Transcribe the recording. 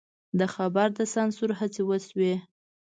د خبر د سانسور هڅې وشوې.